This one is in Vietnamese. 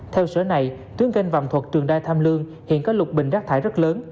theo sở này tuyến kênh vàm thuật trường đai tham lương hiện có lục bình rác thải rất lớn